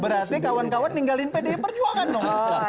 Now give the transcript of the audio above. berarti kawan kawan tinggalin pdip perjuangan